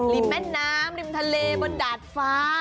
แม่น้ำริมทะเลบนดาดฟ้า